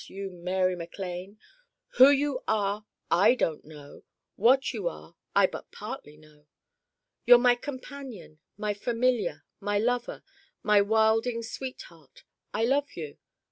you Mary MacLane! who you are I don't know what you are I but partly know. You're my Companion, my Familiar, my Lover, my wilding Sweetheart I love you!